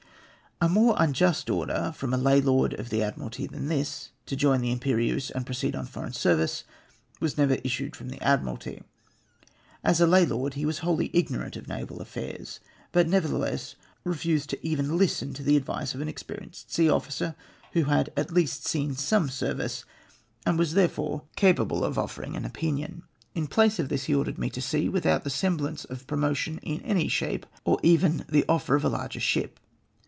A more unjust order from a lay Lord of the Admi ralty than this, to join the Irnperieuse and proceed on foreign service, vv^as never issued from the Admiralty. As a lay Lord, he was wholly ignorant of naval affairs, but nevertheless refused even to listen to the advice of an experienced sea officer, who had at least seen some service, and was therefore capable of offeiing MK. YOKKE'S ignorance OF NAVAL AFFAIRS. IGl an opinion. In place of tliis he ordered nie to sea, without the semblance of promotion in any shape, or even the ofl'er of a larger ship.